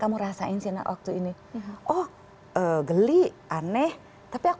kamu rasain sih waktu ini oh geli aneh tapi aku